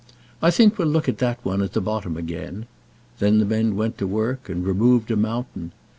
"I think we'll look at that one at the bottom again." Then the men went to work and removed a mountain.